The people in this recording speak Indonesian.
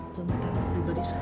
tentang pribadi saya